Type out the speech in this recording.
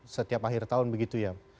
setiap akhir tahun begitu ya